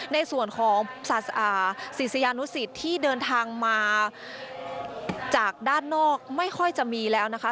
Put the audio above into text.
ในส่วนของศิษยานุสิตที่เดินทางมาจากด้านนอกไม่ค่อยจะมีแล้วนะคะ